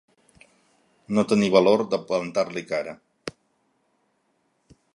No tenir valor de plantar-li cara.